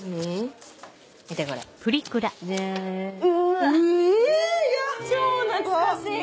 うわ超懐かしい。